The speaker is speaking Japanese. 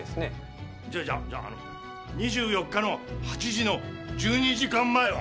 じゃじゃあじゃああの２４日の８時の１２時間前は？